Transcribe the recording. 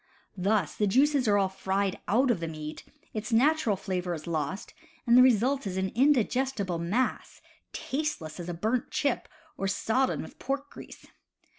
Thus the juices are all fried out of the meat, its natural flavor is lost, and the result is an indigestible mass, tasteless as a burnt chip or sodden with pork grease.